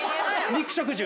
肉食獣。